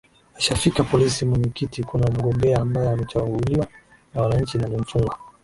eshafika polisi mwenyekiti kuna mgombea ambaye amechanguliwa na wananchi na ni mfungwa